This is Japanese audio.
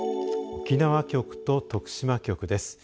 沖縄局と徳島局です。